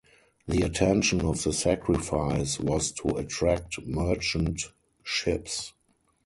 The attention of the sacrifice was to attract merchant ships.